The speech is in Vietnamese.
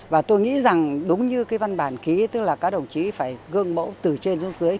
và tôi nghĩ rằng đúng như cái văn bản ký tức là các đồng chí phải gương mẫu từ trên xuống dưới